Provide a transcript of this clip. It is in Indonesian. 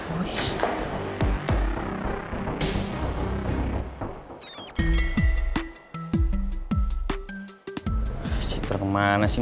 asjid terkemana sih